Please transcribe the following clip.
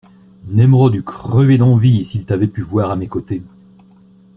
Nemrod eût crevé d'envie s'il t'avait pu voir à mes côtés.